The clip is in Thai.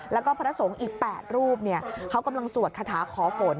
แล้วก็พระสงฆ์อีก๘รูปเขากำลังสวดคาถาขอฝน